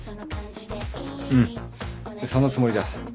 うんそのつもりだ。